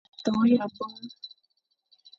Ma to yʼaboñ,